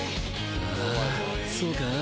ああそうか。